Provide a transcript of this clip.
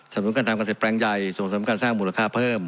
นุนการทำเกษตรแปลงใหญ่ส่งเสริมการสร้างมูลค่าเพิ่ม